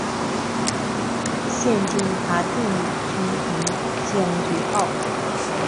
现今她定居于将军澳。